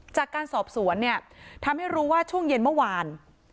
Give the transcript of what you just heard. จากการสอบสวนเนี่ยทำให้รู้ว่าช่วงเย็นเมื่อวาน